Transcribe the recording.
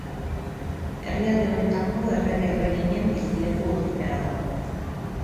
Herrialde honetako errege-erreginen bizileku ofiziala da.